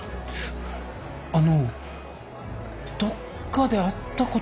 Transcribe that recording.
あのどっかで会ったこと。